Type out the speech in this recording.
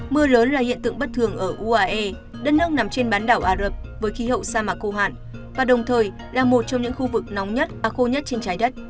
mưa lớn là hiện tượng bất thường ở uae đất nước nằm trên bán đảo ả rập với khí hậu sa mạc khô hạn và đồng thời là một trong những khu vực nóng nhất ách khô nhất trên trái đất